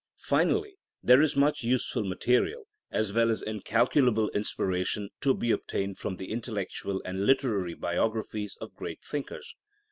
I^uially, there is much useful material, as well as incalculable inspiration, to be obtained from the intellectual and literary biographies of great thinkers.